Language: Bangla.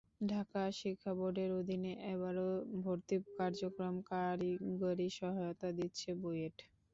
ঢাকা শিক্ষা বোর্ডের অধীনে এবারও ভর্তি কার্যক্রমে কারিগরি সহায়তা দিচ্ছে বুয়েট।